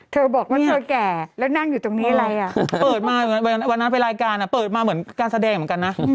เธอบอกว่าเธอแก่แล้วนั่งอยู่ตรงนี้อะไรอ่ะเปิดมาวันนั้นไปรายการเปิดมาเหมือนการแสดงเหมือนกันนะ